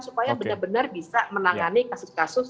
supaya benar benar bisa menangani kasus kasus